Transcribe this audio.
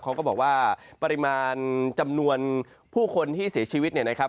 เขาก็บอกว่าปริมาณจำนวนผู้คนที่เสียชีวิตเนี่ยนะครับ